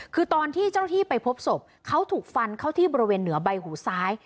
คือตอนที่เจ้าหน้าที่ไปพบศพเขาถูกฟันเข้าที่บริเวณเหนือใบหูซ้าย